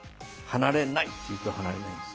「離れない」って言うと離れないんです。